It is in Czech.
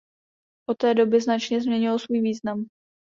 Od té doby značně změnilo svůj význam.